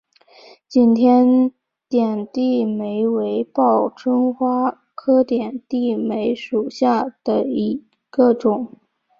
景天点地梅为报春花科点地梅属下的一个种。